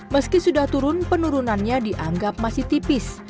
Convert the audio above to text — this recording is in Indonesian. meski sudah turun penurunannya dianggap masih tipis